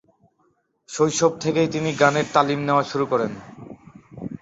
শৈশব থেকেই তিনি গানের তালিম নেওয়া শুরু করেন।